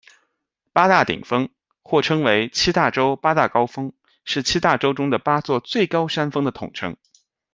八大顶峰，或称为七大洲八大高峰，是七大洲中的八座最高山峰的统称。